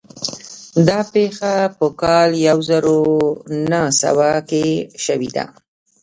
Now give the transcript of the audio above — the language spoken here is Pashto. دا پېښه په کال يو زر و نهه سوه کې شوې وه.